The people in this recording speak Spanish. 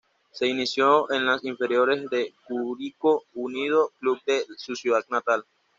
Se inició en las inferiores de Curicó Unido, club de su ciudad natal.